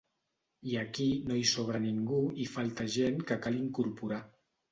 I aquí no hi sobra ningú i falta gent que cal incorporar.